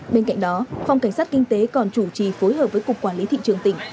bên cạnh đó phòng cảnh sát kinh tế còn chủ trì phối hợp với cục quản lý thị trường tỉnh